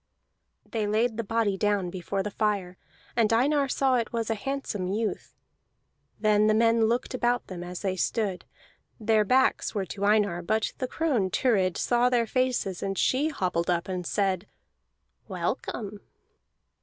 They laid the body down before the fire, and Einar saw it was a handsome youth. Then the men looked about them as they stood; their backs were to Einar, but the crone Thurid saw their faces, and she hobbled up and said "Welcome!"